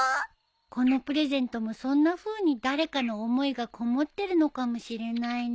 このプレゼントもそんなふうに誰かの思いがこもってるのかもしれないね。